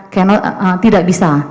cannot tidak bisa